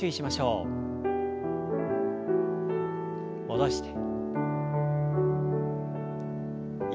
戻して。